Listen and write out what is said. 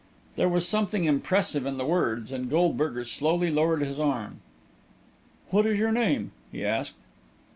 There was something impressive in the words, and Goldberger slowly lowered his arm. "What is your name?" he asked.